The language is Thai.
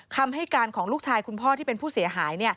คำให้การของลูกชายคุณพ่อที่เป็นผู้เสียหาย